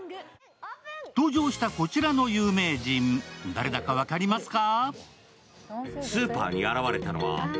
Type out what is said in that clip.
登場したこちらの有名人、誰だか分かりますか？